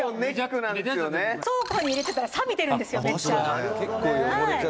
「倉庫に入れてたらサビてるんですよ、めっちゃ」